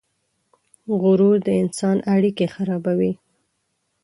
غرور د انسان اړیکې خرابوي.